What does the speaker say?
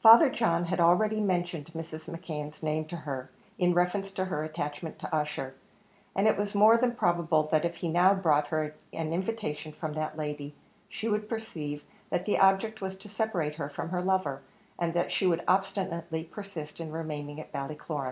Father John had already mentioned Mrs. McKeon's name to her, in reference to her attachment to Ussher; and it was more than probable that if he now brought her an invitation from that lady, she would perceive that the object was to separate her from her lover, and that she would obstinately persist in remaining at Ballycloran.